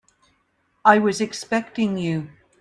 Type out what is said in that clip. I was expecting you.